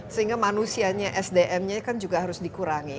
sehingga manusianya sdm nya kan juga harus dikurangi